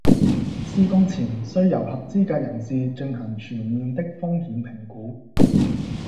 施工前須由合資格人士進行全面的風險評估